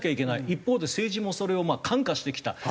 一方で政治もそれをまあ看過してきた。